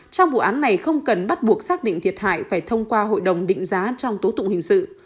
trong vụ án này không cần bắt buộc xác định thiệt hại phải thông qua hội đồng định giá trong tố tụng hình sự